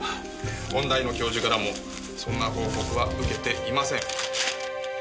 音大の教授からもそんな報告は受けていません。